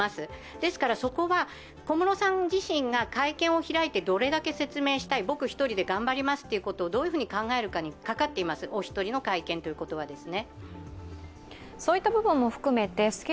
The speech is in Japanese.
ですから、そこは小室さん自身が会見を開いてどれだけ説明したい僕一人で頑張りたいってことをどういうふうに考えるかにかかっています、お一人の会見はですね。